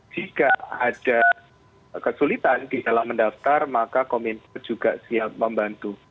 jika ada kesulitan di dalam mendaftar maka kominfo juga siap membantu